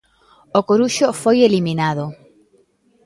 O Coruxo foi eliminado.